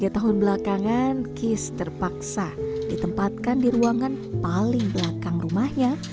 tiga tahun belakangan kis terpaksa ditempatkan di ruangan paling belakang rumahnya